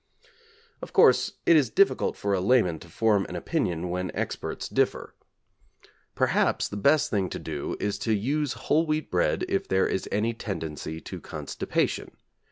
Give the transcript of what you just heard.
Of course, it is difficult for a layman to form an opinion when experts differ. Perhaps the best thing to do is to use whole wheat bread if there is any tendency to constipation.